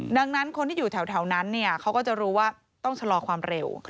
ดังนั้นคนที่อยู่แถวนั้นเขาก็จะรู้ว่าต้องชะลอความเร็ว